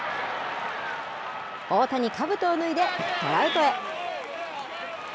大谷、かぶとを脱いでトラウトへ。